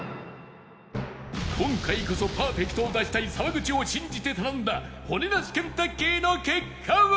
今回こそパーフェクトを出したい沢口を信じて頼んだ骨なしケンタッキーの結果は？